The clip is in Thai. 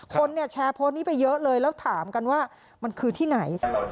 คนเนี่ยแชร์โพสต์นี้ไปเยอะเลยแล้วถามกันว่ามันคือที่ไหน